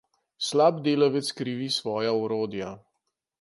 Slab delavec krivi svoja orodja.